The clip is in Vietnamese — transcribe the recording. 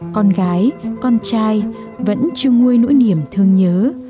con gái con trai vẫn chưa nguôi nỗi niềm thương nhớ